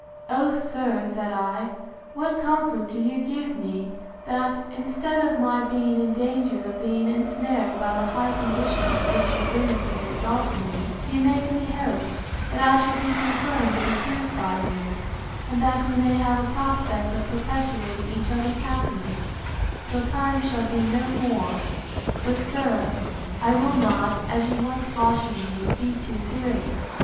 O, sir, said I, what comfort do you give me, that, instead of my being in danger of being ensnared by the high condition to which your goodness has exalted me, you make me hope, that I shall be confirmed and approved by you; and that we may have a prospect of perpetuating each other's happiness, till time shall be no more!—But, sir, I will not, as you once cautioned me, be too serious.